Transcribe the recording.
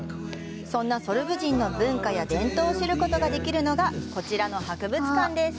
そんなソルブ人の文化や伝統を知ることができるのがこちらの博物館です。